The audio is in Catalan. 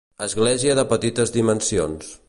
Església de petites dimensions.